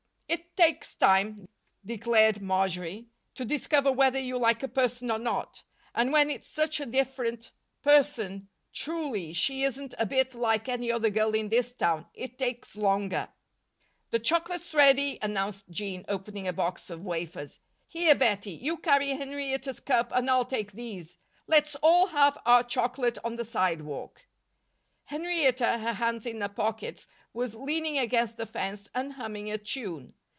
"It takes time," declared Marjory, "to discover whether you like a person or not. And when it's such a different person truly, she isn't a bit like any other girl in this town it takes longer." "The chocolate's ready," announced Jean, opening a box of wafers. "Here, Bettie, you carry Henrietta's cup and I'll take these. Let's all have our chocolate on the sidewalk." Henrietta, her hands in her pockets, was leaning against the fence and humming a tune.